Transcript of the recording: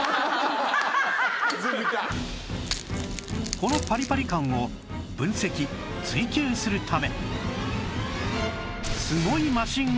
このパリパリ感を分析追求するため